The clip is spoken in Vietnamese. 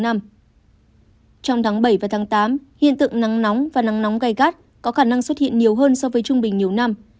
trong tháng bảy và tháng tám hiện tượng nắng nóng và nắng nóng gai gắt có khả năng xuất hiện nhiều hơn so với trung bình nhiều năm